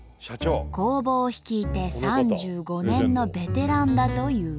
工房を率いて３５年のベテランだという。